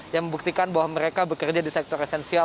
yang membuktikan bahwa mereka bekerja di sektor esensial